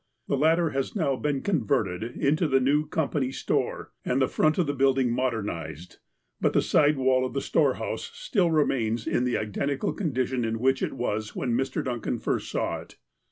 The latter has now been converted into the new company store, and the front of the building modernized, but the side wall of the storehouse still remains in the identical condition in which it was when Mr. Duncan first saw it.